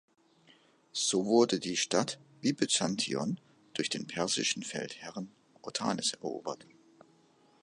So wurde die Stadt wie Byzantion durch den persischen Feldherrn Otanes erobert.